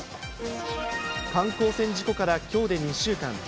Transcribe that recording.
観光船事故から、きょうで２週間。